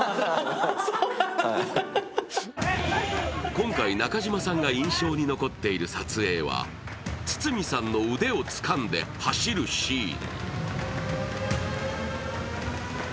今回、中島さんが印象に残っている撮影は堤さんの腕をつかんで走るシーン。